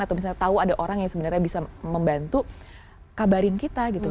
atau misalnya tahu ada orang yang sebenarnya bisa membantu kabarin kita gitu